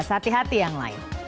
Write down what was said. hati hati yang lain